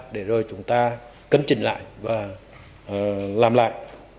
để rồi chúng ta cân chỉnh lại và làm lại